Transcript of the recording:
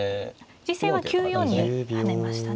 実戦は９四に跳ねましたね。